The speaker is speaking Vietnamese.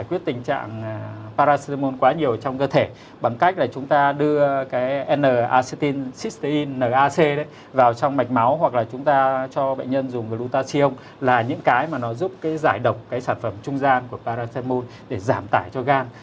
giải quyết tình trạng paracetamol quá nhiều trong cơ thể bằng cách là chúng ta đưa cái n acetylcysteine vào trong mạch máu hoặc là chúng ta cho bệnh nhân dùng glutathione là những cái mà nó giúp cái giải độc cái sản phẩm trung gian của paracetamol để giảm tải cho gan